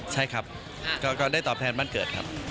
ใช่ครับก็ได้ตอบแทนบ้านเกิดครับ